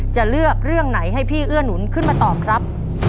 จะเลือกเรื่องไหนให้พี่เอื้อหนุนขึ้นมาตอบครับ